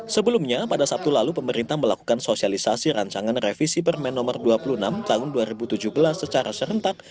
sebelumnya pada sabtu lalu pemerintah melakukan sosialisasi rancangan revisi permen no dua puluh enam tahun dua ribu tujuh belas secara serentak